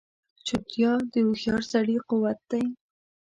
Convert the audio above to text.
چوپتیا، د هوښیار سړي قوت دی.